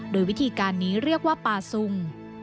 โดยวิธีการนี้เรียกว่าปาซุง